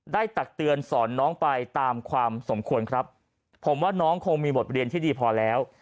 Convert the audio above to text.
ตักเตือนสอนน้องไปตามความสมควรครับผมว่าน้องคงมีบทเรียนที่ดีพอแล้ว